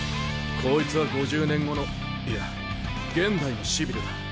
こいつは５０年後のいや現代のシビルだ。